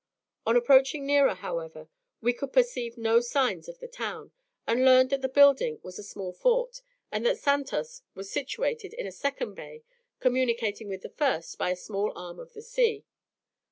On approaching nearer, however, we could perceive no signs of the town, and learned that the building was a small fort, and that Santos was situated in a second bay, communicating with the first by a small arm of the sea.